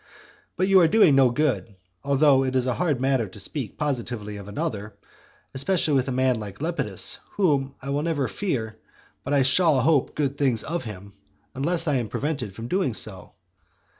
But you are doing no good, (although it is a hard matter to speak positively of another,) especially with a man like Lepidus, whom I will never fear, but I shall hope good things of him unless I am prevented from doing so.